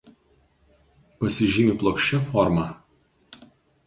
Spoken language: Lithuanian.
Pasižymi plokščia forma.